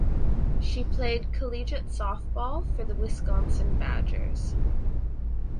She played collegiate softball for the Wisconsin Badgers.